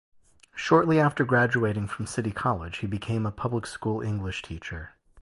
Shortly after graduating from City College, he became a public school English Teacher.